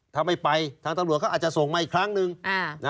ถ้าไม่ไปทางตำรวจเขาอาจจะส่งมาอีกครั้งหนึ่ง